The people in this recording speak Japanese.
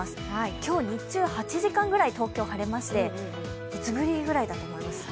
今日、日中８時間くらい東京は晴れまして、いつぶりぐらいだと思います？